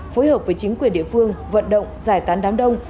phối hợp với chính quyền địa phương vận động giải tán đám đông